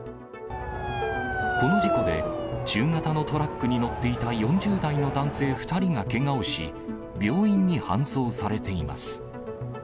この事故で、中型のトラックに乗っていた４０代の男性２人がけがをし、病院に搬送されています。